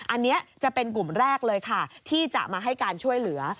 อันนี้จะเป็นกลุ่มแรกเลยค่ะที่จะมาให้การช่วยเหลือ